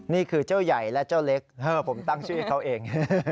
นี่คือเจ้าใหญ่และเจ้าเล็กผมตั้งชื่อให้เขาเอง